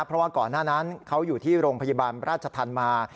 เพราะว่าก่อนหน้านั้นเขาอยู่ที่โรงพยาบาลราชธรรมมา